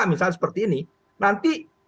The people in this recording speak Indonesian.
misalnya seperti ini nanti